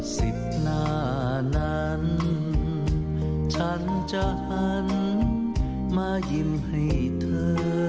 สิบหน้านั้นฉันจะหันมายิ้มให้เธอ